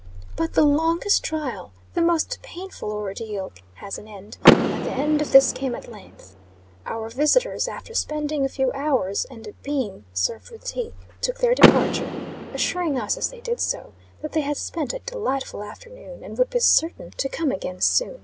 But, the longest trial the most painful ordeal has an end; and the end of this came at length. Our visitors, after spending a few hours, and being served with tea, took their departure, assuring us, as they did so, that they had spent a delightful afternoon, and would be certain to come again soon.